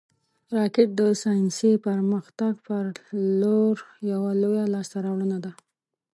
راکټ د ساینسي پرمختګ پر لور یوه لویه لاسته راوړنه ده